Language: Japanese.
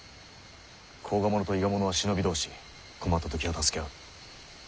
甲賀者と伊賀者は忍び同士困った時は助け合う。